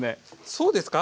そうですか？